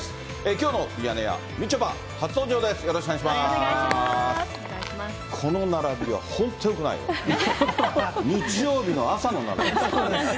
きょうのミヤネ屋、みちょぱ、初登場です。